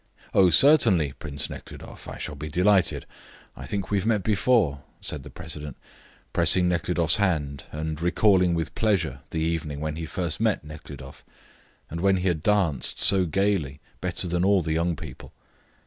"Oh, certainly, Prince Nekhludoff. I shall be delighted. I think we have met before," said the president, pressing Nekhludoff's hand and recalling with pleasure the evening when he first met Nekhludoff, and when he had danced so gaily, better than all the young people.